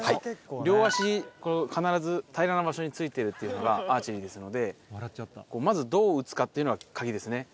両足を必ず平らな場所についているというのがアーチェリーですので、まずどううつかっていうのが鍵ですね。